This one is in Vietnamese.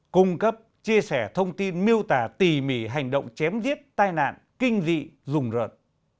cung cấp chia sẻ thông tin miêu tả tỉ mỉ hành động chém giết tai nạn kinh dị rùng rợt